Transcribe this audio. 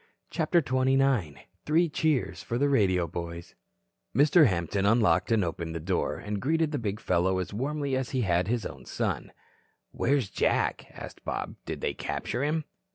CHAPTER XXIX THREE CHEERS FOR THE RADIO BOYS Mr. Hampton unlocked and opened the door, and greeted the big fellow as warmly as he had his own son. "Where's Jack?" asked Bob. "Did they capture him?"